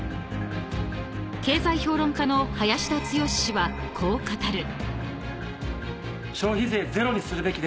［経済評論家の林田剛氏はこう語る］